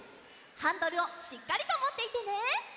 ハンドルをしっかりともっていてね！